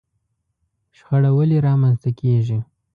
شخړه ولې رامنځته کېږي؟